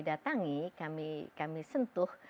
datangi kami sentuh